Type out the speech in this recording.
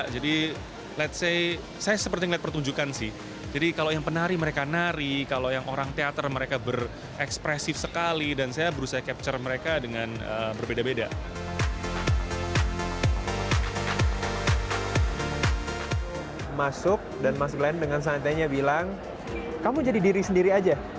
masuk dan mas glenn dengan santenya bilang kamu jadi diri sendiri saja